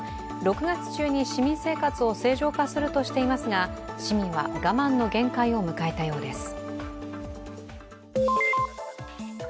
６月中に市民生活を正常化するとしていますが市民は我慢の限界を迎えたようです。